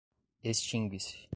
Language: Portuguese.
extingue-se